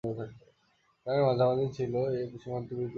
গ্রামের মাঝামাঝি ছিল এ সীমান্ত বিওপি’র অবস্থান।